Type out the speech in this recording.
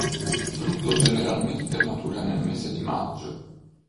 Il frutto generalmente matura nel mese di maggio.